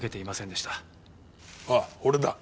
ああ俺だ。